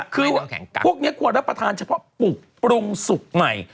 คือพวกนี้ควรรับประทานเฉพาะปลูกปรุงสุกใหม่